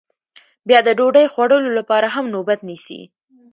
بیا د ډوډۍ خوړلو لپاره هم نوبت نیسي